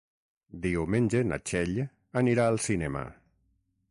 Diumenge na Txell anirà al cinema.